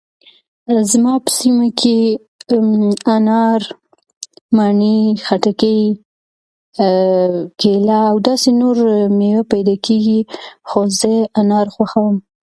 زما په سیمه کې انار ،مڼې، خټکي ممم کیله او داسي نور ميوي پیداکیږي خو زه انار خوښوم